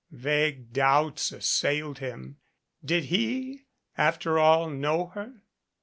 Vague doubts assailed him. Did he, after all, know her?